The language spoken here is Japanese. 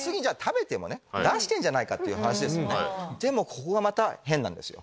ここがまた変なんですよ。